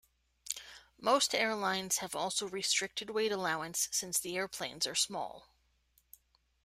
Most airlines have also restricted weight allowance since the airplanes are small.